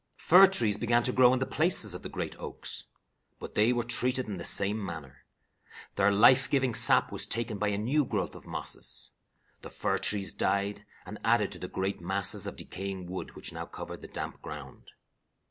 "Fir trees began to grow in the places of the oaks. But they were treated in the same manner. Their life giving sap was taken by a new growth of mosses. The fir trees died, and added to the great masses of decaying wood which now covered the damp ground.